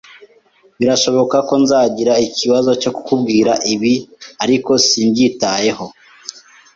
Birashoboka ko nzagira ikibazo cyo kukubwira ibi, ariko simbyitayeho.